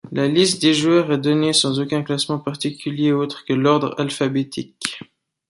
La liste des joueurs est donnée sans aucun classement particulier autre que l'ordre alphabétique.